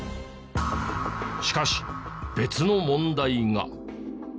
しかし別の問題が。